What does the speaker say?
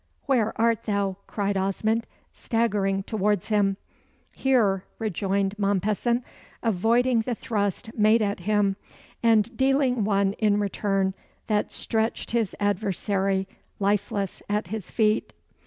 "Where art thou?" cried Osmond, staggering towards him. "Here!" rejoined Mompesson, avoiding the thrust made at him, and dealing one in return that stretched his adversary lifeless at his feet.